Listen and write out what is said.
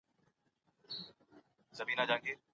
که ځنګلونه وسوځول شي نو هوا ککړه کېږي.